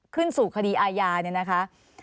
ขึ้นสู่คดีอาญาเนี่ยนะคะ